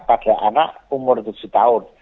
pada anak umur tujuh tahun